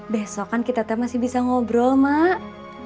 besokan kita tetap masih bisa ngobrol mak